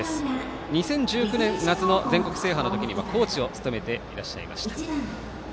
２０１９年夏の全国制覇の時にはコーチを務めていらっしゃいました。